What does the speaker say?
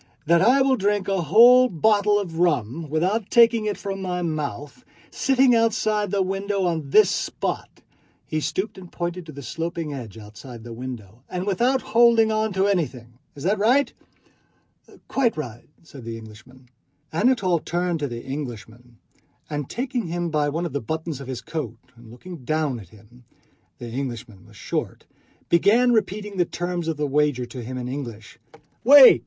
that I will drink a whole bottle of rum without taking it from my mouth, sitting outside the window on this spot" (he stooped and pointed to the sloping ledge outside the window) "and without holding on to anything. Is that right?" "Quite right," said the Englishman. Anatole turned to the Englishman and taking him by one of the buttons of his coat and looking down at him—the Englishman was short—began repeating the terms of the wager to him in English. "Wait!"